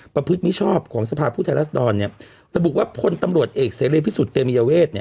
ประพฤติมิชอบของสภาพผู้ไทยรัฐดรประบุว่าคนตำรวจเอกเสรีพิสุทธิ์เตรียมยาเวท